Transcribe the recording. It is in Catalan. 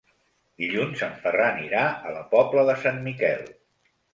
Dilluns en Ferran irà a la Pobla de Sant Miquel.